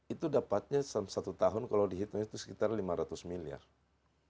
itu dapatnya dalam satu tahun kalau dihitung itu sekitar rp lima ratus